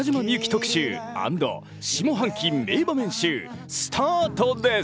特集＆下半期名場面集」スタートです！